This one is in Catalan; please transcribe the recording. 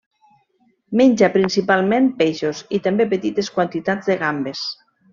Menja principalment peixos i, també, petites quantitats de gambes.